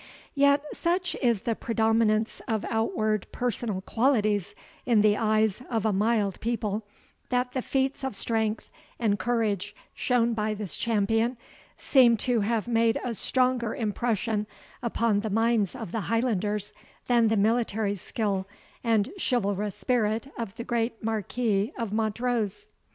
Yet such is the predominance of outward personal qualities in the eyes of a mild people, that the feats of strength and courage shown by this champion, seem to have made a stronger impression upon the minds of the Highlanders, than the military skill and chivalrous spirit of the great Marquis of Montrose.